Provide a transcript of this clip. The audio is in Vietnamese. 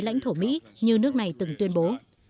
lãnh thổ mỹ như nước này từng tuyên bố